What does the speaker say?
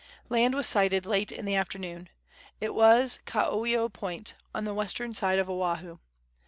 Land was sighted late in the afternoon. It was Kaoio Point, on the western side of Oahu.